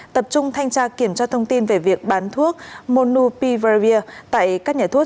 tập trung thanh tra kiểm tra thông tin về việc bán thuốc monopulvera tại các nhà thuốc